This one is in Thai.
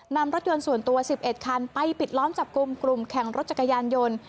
นำรถยนต์ส่วนตัว๑๑คันไปปิดล้อมจับกลุ่มกลุ่มแข่งรถจักรยานยนต์